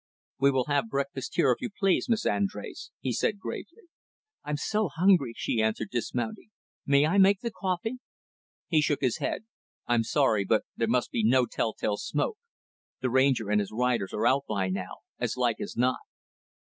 "We will have breakfast here, if you please, Miss Andrés," he said gravely. "I'm so hungry," she answered, dismounting. "May I make the coffee?" He shook his head. "I'm sorry; but there must be no telltale smoke. The Ranger and his riders are out by now, as like as not."